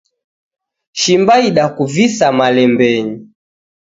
Shimba idakuvisa malembenyi.